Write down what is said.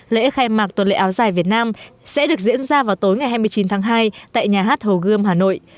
lễ khai mạc tuần lễ áo dài việt nam sẽ được diễn ra vào tối ngày hai mươi chín tháng hai tại nhà hát hồ gươm hà nội